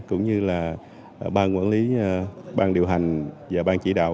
cũng như là bang quản lý bang điều hành và bang chỉ đạo